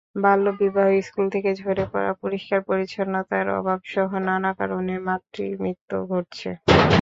বাল্যবিবাহ, স্কুল থেকে ঝরে পড়া, পরিষ্কার-পরিচ্ছন্নতার অভাবসহ নানা কারণে মাতৃমৃত্যু ঘটছে।